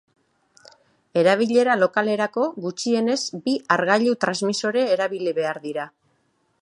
Erabilera lokalerako gutxienez bi hargailu-transmisore erabili behar dira.